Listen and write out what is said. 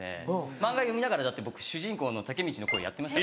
漫画読みながらだって僕主人公のタケミチの声やってました。